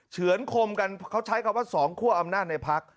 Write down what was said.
เฉือนคมกันเขาใช้คำว่า๒คั่วอำนาจในพัก